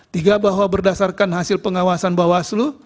tiga bahwa berdasarkan hasil pengawasan bawaslu